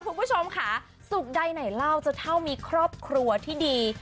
คุณผู้ชมค่ะสุขใดไหนเล่าจะเท่ามีครอบครัวที่ดี